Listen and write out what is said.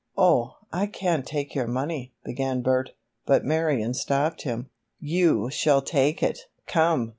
"Oh, I can't take your money," began Bert, but Marion stopped him. "You shall take it. Come!"